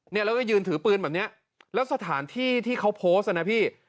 แล้วก็ยืนถือปืนแบบนี้แล้วสถานที่ที่เขาโพสต์นะพี่